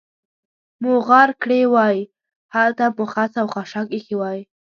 مو غار کړې وای، هلته مو خس او خاشاک اېښي وای.